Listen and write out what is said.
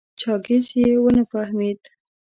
چاکېس یې و نه فهمېد.